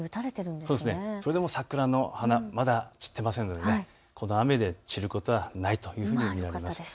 それでも桜の花、まだ散ってませんので、この雨で散ることはないというふうに見られます。